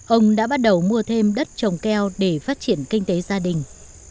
ông đã bắt đầu mua thêm đất trồng keo để phát triển kinh tế gia đình